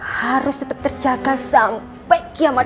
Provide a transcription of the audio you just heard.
harus tetap terjaga sampai kiamat